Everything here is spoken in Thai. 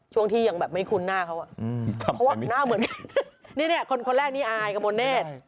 ช่วงที่ยังแบบไม่คุ้นหน้าเขาเพราะว่าหน้าเหมือนนี่คนแรกนี้อายกระมวลเนธ